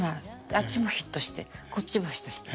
あっちもヒットしてこっちもヒットして。